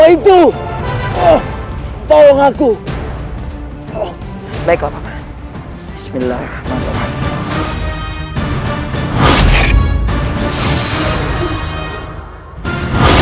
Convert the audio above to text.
itu tolong aku baiklah pak bismillahirrahmanirrahim